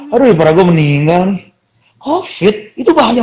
aduh ipar gua meninggal nih covid itu bahaya